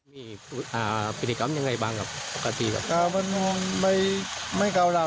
มันไม่มีอยากกันก้าวร้าว